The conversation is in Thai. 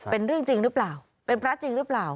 เป็นเรื่องจริงหรือเปล่าเป็นพระจริงหรือเปล่า